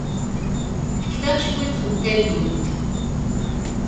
Fket-aɣ cwiṭ n tallunt.